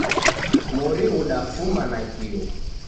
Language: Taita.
Mori ghudafuma nakio.